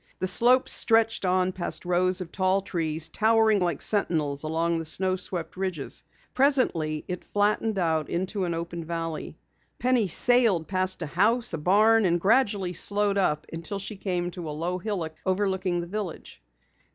The slope stretched on past rows of tall trees, towering like sentinels along the snow swept ridges. Presently it flattened out into an open valley. Penny sailed past a house, a barn, and gradually slowed up until she came to a low hillock overlooking the village.